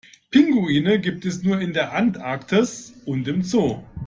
Pinguine gibt es nur in der Antarktis und im Zoo.